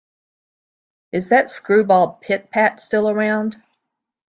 Is that screwball Pit-Pat still around?